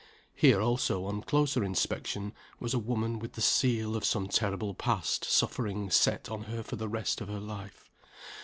Here also on closer inspection, was a woman with the seal of some terrible past suffering set on her for the rest of her life.